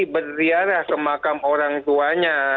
berliara ke makam orang tuanya